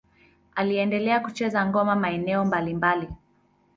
Aliendelea kucheza ngoma maeneo mbalimbali.